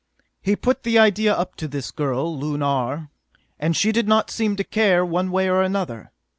"He put the idea up to this girl, Lunar, and she did not seem to care one way or another.